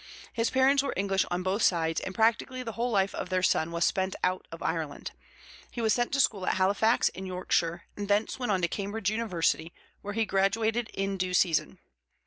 His parents were English on both sides, and practically the whole life of their son was spent out of Ireland. He was sent to school at Halifax, in Yorkshire, and thence went to Cambridge University, where he graduated in due season.